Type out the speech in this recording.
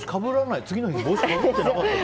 次の日帽子をかぶってなかったら。